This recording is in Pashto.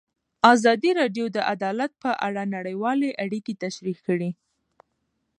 ازادي راډیو د عدالت په اړه نړیوالې اړیکې تشریح کړي.